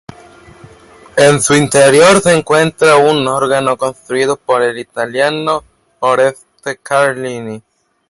En su interior se encuentra un órgano construido por el italiano Oreste Carlini.